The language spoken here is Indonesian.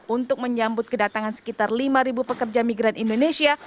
untuk menyambut kedatangan sekitar lima pekerja migran indonesia